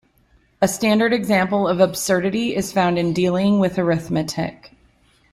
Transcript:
A standard example of absurdity is found in dealing with arithmetic.